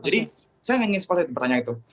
jadi saya ingin sempat lihat pertanyaan itu